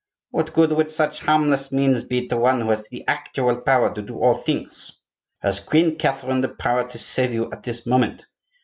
"What good would such harmless means be to one who has the actual power to do all things?" "Has Queen Catherine the power to save you at this moment?"